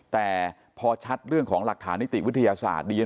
แต่พอชัดเรื่องของหลักฐานนิติวิทยาศาสตร์ดี